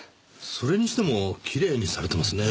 それにしてもきれいにされてますねえ。